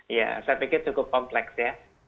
iya saya pikir cukup kompleks ya